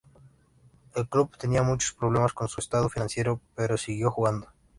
El club tenía muchos problemas con su estado financiero, pero siguió jugando.